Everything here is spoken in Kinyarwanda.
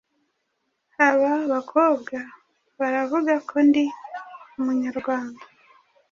Aba bakobwa baravuga ko ndi Umunyarwanda.